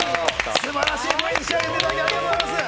素晴らしいＶＴＲに仕上げていただいてありがとうございます。